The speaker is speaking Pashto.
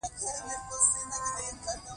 په سوله ایز ډول بریالی شوم.